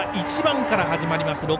１番から始まります